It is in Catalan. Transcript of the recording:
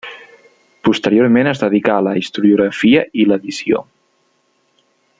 Posteriorment es dedicà a la historiografia i l'edició.